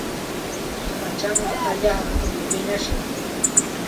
Pachanqa allaapam wiñashqa.